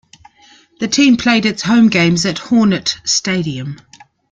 The team played its home games at Hornet Stadium.